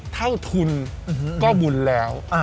เท่าทุนก็บุญแล้ว